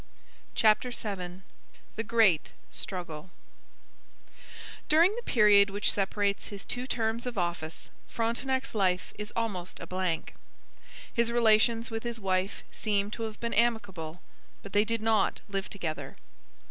CHAPTER VII THE GREAT STRUGGLE During the period which separates his two terms of office Frontenac's life is almost a blank. His relations with his wife seem to have been amicable, but they did not live together.